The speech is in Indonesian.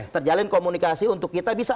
terjalin komunikasi untuk kita bisa